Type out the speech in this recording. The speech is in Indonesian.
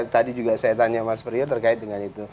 tadi juga saya tanya mas priyo terkait dengan itu